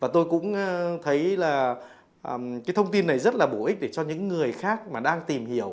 thấy là cái thông tin này rất là bổ ích để cho những người khác mà đang tìm hiểu